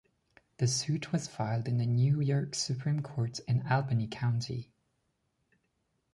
The suit was filed in the New York Supreme Court in Albany County.